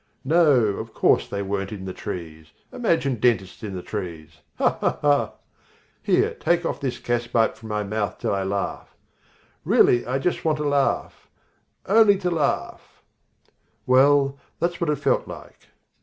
No; of course they weren't in the trees imagine dentists in the trees ha! ha! Here, take off this gaspipe from my face till I laugh really I just want to laugh only to laugh Well, that's what it felt like.